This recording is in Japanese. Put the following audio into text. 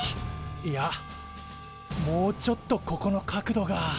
いやもうちょっとここの角度が。